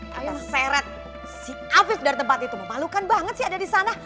saya seret si afif dari tempat itu memalukan banget sih ada di sana